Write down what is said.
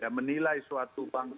dan menilai suatu bangsa